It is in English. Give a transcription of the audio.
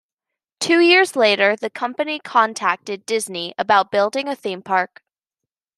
Two years later, the company contacted Disney about building a theme park.